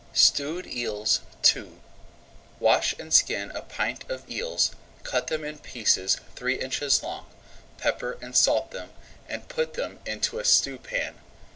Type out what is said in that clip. STEWED EELS II Wash and skin a pint of eels, cut them in pieces three inches long, pepper and salt them, and put them into a stewpan.